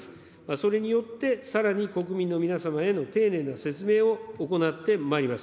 それによって、さらに国民の皆様への丁寧な説明を行ってまいります。